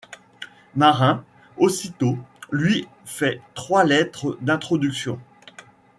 Marin, aussitôt, lui fait trois lettres d’introduction.